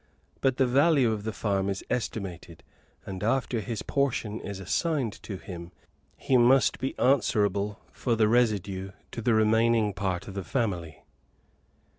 But the value of the farm is estimated, and after his portion is assigned to him he must be answerable for the residue to the remaining part of the family.